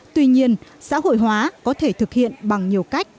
tuy nhiên xã hội hóa có thể thực hiện bằng nhiều cách